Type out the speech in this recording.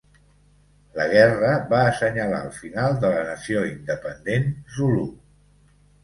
La guerra va assenyalar el final de la nació independent Zulu.